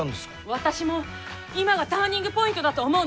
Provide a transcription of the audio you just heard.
私も今がターニングポイントだと思うの。